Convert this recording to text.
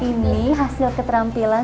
ini hasil keterampilan